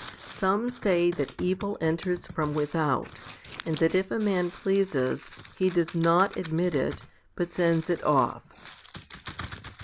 Some say that evil enters from without, and that if a man pleases, he does not admit it, but sends it off.